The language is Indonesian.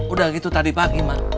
udah gitu tadi pagi mah